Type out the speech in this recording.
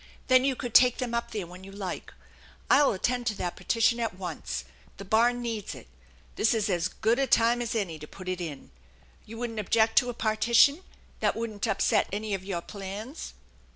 Then you could take them up there when you like. I'll attend to that partition at once, 54 THE ENCHANTED BARN The barn needs it. This is as good a time as any to put it in. You wouldn't object to a partition? That wouldn't upset any of your plans